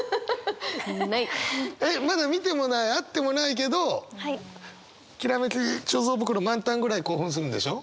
えっまだ見てもない会ってもないけどきらめき貯蔵袋満タンぐらい興奮するんでしょ？